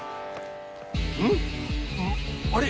うん？あれ？